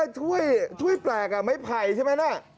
ถ้วยแปลกไม้ไผ่ใช่ไหมน่ะ